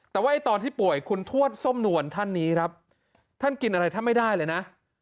แต่ว่าตอนที่ป่วยคุณทวดส้มนวลท่านนี้ครับท่านกินอะไรแทบไม่ได้เลยนะ